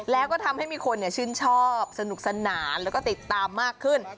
แล้วก็ทำให้มีคนชื่นชอบสนุกสนานแล้วก็ติดตามมากขึ้น